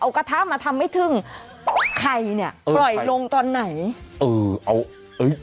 เอากระทะมาทำให้ทึ่งไข่เนี่ยปล่อยลงตอนไหนเออเอาเอ้ย